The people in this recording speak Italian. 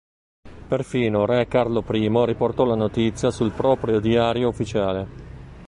Perfino Re Carlo I riportò la notizia sul proprio diario ufficiale.